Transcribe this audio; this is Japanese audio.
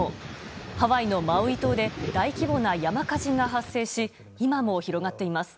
ハワイのマウイ島で大規模な山火事が発生し今も広がっています。